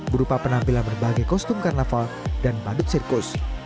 berupa penampilan berbagai kostum karnaval dan badut sirkus